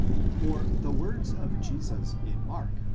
For the words of Jesus in Mark (v.